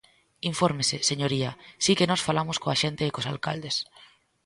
Infórmese, señoría, si que nós falamos coa xente e cos alcaldes.